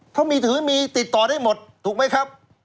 ถ้ามีถือมีติดต่อได้หมดถูกไหมครับ